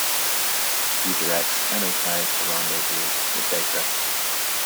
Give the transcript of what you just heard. He directs "Enterprise" to rendezvous with Degra.